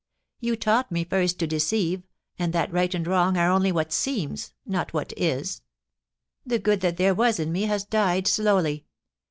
Yea taught me first to deceive, and that right and wrong are only what s^fms, not what is. The good that there was in me has died slowly.